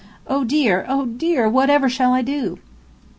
Oh, dear! Oh, dear! Whatever shall I do?"